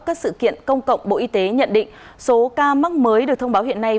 các sự kiện công cộng bộ y tế nhận định số ca mắc mới được thông báo hiện nay